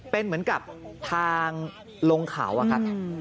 เป็นเหมือนกับทางลงเขาอะครับ